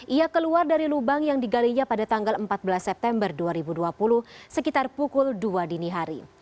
ia keluar dari lubang yang digalinya pada tanggal empat belas september dua ribu dua puluh sekitar pukul dua dini hari